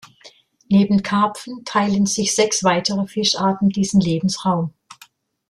Neben Karpfen teilen sich sechs weitere Fischarten diesen Lebensraum.